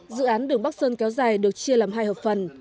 dự án đường bắc sơn kéo dài được chia làm hai hợp phần